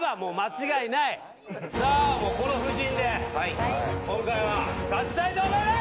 さあこの布陣で今回は勝ちたいと思います！